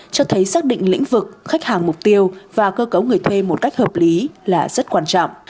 cho thấy xác định lĩnh vực khách hàng mục tiêu và cơ cấu người thuê một cách hợp lý là rất quan trọng